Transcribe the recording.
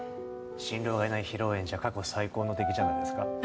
新郎がいない披露宴じゃ過去最高の出来じゃないですか？